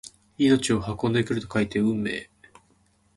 命を運んでくると書いて運命！